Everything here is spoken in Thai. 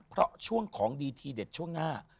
เพราะช่วงของดีทีเด็ดช่วงหน้า